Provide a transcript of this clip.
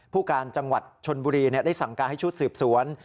ผู้การจังหวัดชนบุรีได้สั่งการให้ชุดสืบสวน